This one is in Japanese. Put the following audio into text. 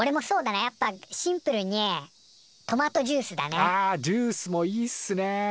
あジュースもいいっすね。